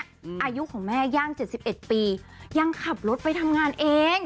อายุของแม่ย่าง๗๑ปียังขับรถไปทำงานเอง